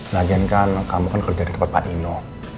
lagian kan kamu kan kerja di tempat pak dino